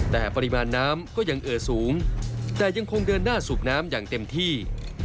แต่ปริมาณน้ำก็ยังเอ่อสูงแต่ยังคงเดินหน้าสูบน้ำอย่างเต็มที่